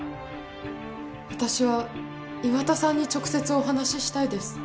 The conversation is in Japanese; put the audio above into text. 私は岩田さんに直接お話ししたいです。